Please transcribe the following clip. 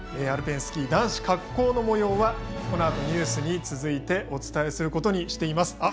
アルペンスキー男子滑降のもようはこのあとのニュースに続いてお伝えすることにしています。